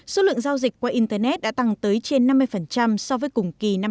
số lượng giao dịch qua internet đã tăng tới trên năm mươi so với cùng kỳ năm hai nghìn hai mươi ba